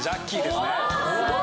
すごい。